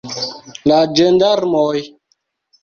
La ĝendarmoj!